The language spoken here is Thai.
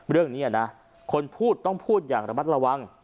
เรื่องนี้นะคนพูดต้องพูดอย่างระมัดระวัง